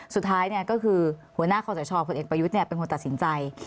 สุดท้ายก็คือหัวหน้าคอสชผลเอกประยุทธ์เป็นคนตัดสินใจ